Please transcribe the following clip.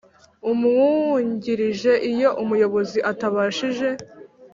Umwungirije iyo umuyobozi atabashije